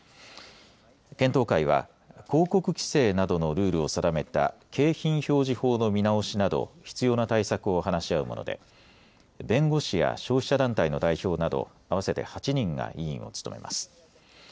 検討会は広告規制などのルールを定めた景品表示法の見直しなど必要な対策を話し合うもので弁護士や消費者団体の代表など合わせて８人が委員を務めます。